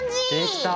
できた！